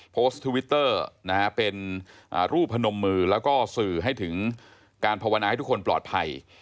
ทวิตเตอร์เป็นรูปพนมมือแล้วก็สื่อให้ถึงการภาวนาให้ทุกคนปลอดภัย